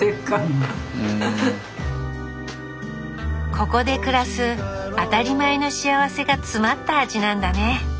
ここで暮らす当たり前の幸せが詰まった味なんだね。